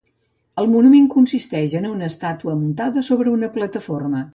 El monument consisteix en una estàtua muntada sobre una plataforma.